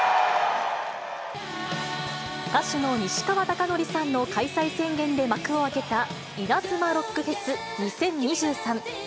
歌手の西川貴教さんの開催宣言で幕を開けたイナズマロックフェス２０２３。